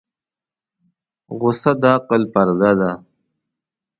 غوسه د عقل پرده ده.